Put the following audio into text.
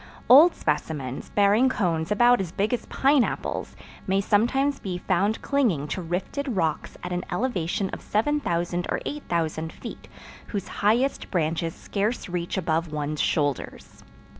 Old specimens, bearing cones about as big as pineapples, may sometimes be found clinging to rifted rocks at an elevation of 7000 or 8000 feet, whose highest branches scarce reach above one's shoulders.